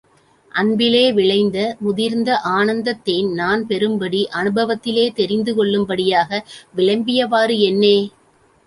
அன்பிலே விளைந்த முதிர்ந்த ஆனந்தத் தேன் நான் பெறும்படி, அநுபவத்திலே தெரிந்து கொள்ளும்படியாக, விளம்பியவாறு என்னே!